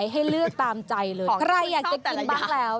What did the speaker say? ให้เลือกตามใจเลยใครอยากจะกินบ้างแล้ว